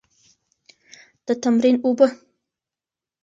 د تمرین اوبه.